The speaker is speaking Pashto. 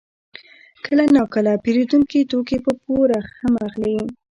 کله ناکله پېرودونکي توکي په پور هم اخلي